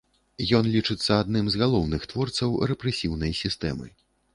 Ён лічыцца адным з галоўных творцаў рэпрэсіўнай сістэмы.